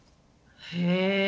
へえ！